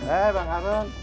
hei bang arun